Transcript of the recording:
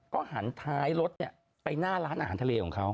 ก็หันท้ายรถไปหน้าร้านอาหารทะเลของเขา